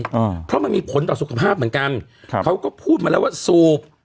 อ่าเพราะมันมีผลต่อสุขภาพเหมือนกันครับเขาก็พูดมาแล้วว่าสูบ